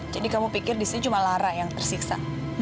jadi kamu pikir di sini cuma lara yang tersiksa